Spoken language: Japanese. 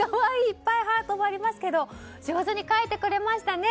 いっぱいハートもありますけど上手に描いてくれましたね。